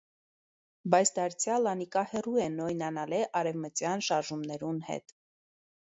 Բայց, դարձեալ, անիկա հեռու է նոյնանալէ արեւմտեան շարժումներուն հետ։